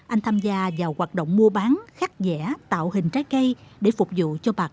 anh tham gia vào hoạt động mua bán khắc dẻ tạo hình trái cây để phục vụ cho bà con